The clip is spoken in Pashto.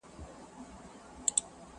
هر څوک هڅه کوي تېر هېر کړي خو نه کيږي.